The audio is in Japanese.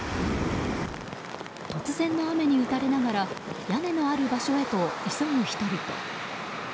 突然の雨に打たれながら屋根のある場所へと急ぐ人々。